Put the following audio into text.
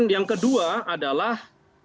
yang kedua adalah